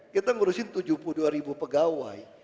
kita ngurusin tujuh puluh dua ribu pegawai